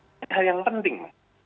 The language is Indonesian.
itu hal yang penting